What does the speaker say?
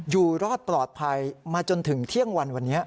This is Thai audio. อยู่รอดปลอดภัยมาจนถึงเที่ยงวันวันนี้